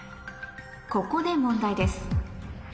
ここで問題です